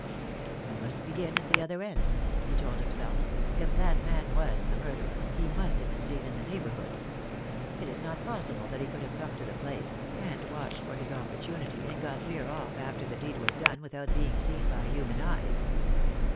"I must begin at the other end," he told himself. "If that man was the murderer, he must have been seen in the neighbourhood. It is not possible that he could have come to the place, and watched for his op THE DAY WILL COME. Q5 portunity, and got clear off after the deed was done with out being seen by human eyes."